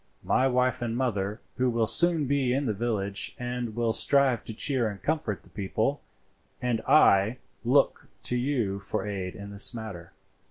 My wife and mother will soon be down in the village and will strive to cheer and comfort the people, and I look to you for aid in this matter."